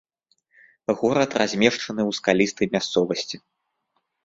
Горад размешчаны ў скалістай мясцовасці.